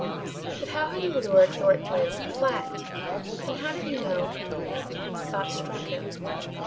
But how had he lured Thornton Lyne to the flat? And how did he know a thought struck him.